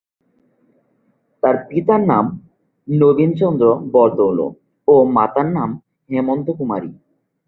তার পিতার নাম নবীন চন্দ্র বরদলৈ ও মাতার নাম হেমন্ত কুমারী।